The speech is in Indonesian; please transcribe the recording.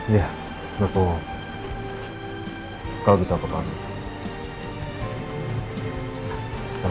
ya ngetul kau gitu apa apa